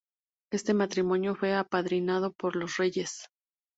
Este matrimonio fue apadrinado por los reyes.